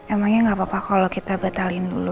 emangnya gak apa apa kalau kita batalin dulu